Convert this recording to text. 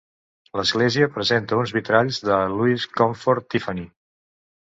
L'església presenta uns vitralls de Louis Comfort Tiffany.